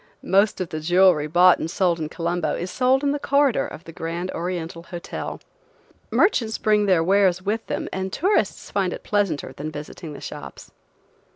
Most of the jewelry bought and sold in Colombo is sold in the corridor of the Grand Oriental Hotel. Merchants bring their wares with them and tourists find it pleasanter than visiting the shops.